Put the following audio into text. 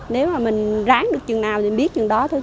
nếu mà mình ráng được chừng nào thì biết chừng đó thôi